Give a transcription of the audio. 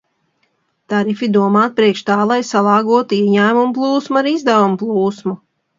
Tarifi ir domāti priekš tā, lai salāgotu ieņēmumu plūsmu ar izdevumu plūsmu.